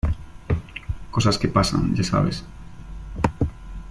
Cosas que pasan, ya sabes.